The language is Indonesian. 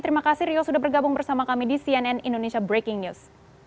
terima kasih rio sudah bergabung bersama kami di cnn indonesia breaking news